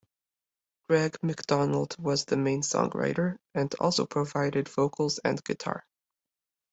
Greg McDonald was the main songwriter, and also provided vocals and guitar.